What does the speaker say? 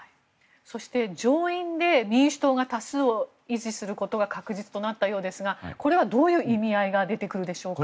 そして上院で民主党が多数を維持することが確実となったようですがこれはどういう意味合いが出てくるでしょうか。